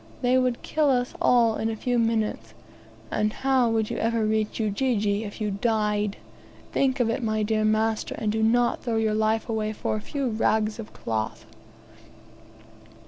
They would kill us all in a few minutes, and how would you ever reach Ujiji if you died? Think of it, my dear master, and do not throw your life away for a few rags of cloth."